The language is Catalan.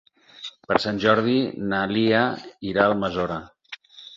Per Sant Jordi na Lia irà a Almassora.